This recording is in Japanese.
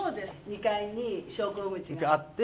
２階に昇降口があって。